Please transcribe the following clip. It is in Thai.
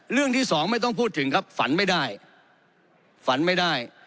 เรื่องที่สองไม่ต้องพูดถึงครับฝันไม่ได้ฝันไม่ได้